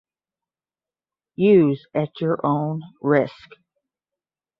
Use at your own risk